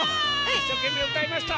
いっしょうけんめいうたいました。